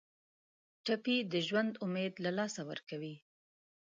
ټپي د ژوند امید له لاسه ورکوي.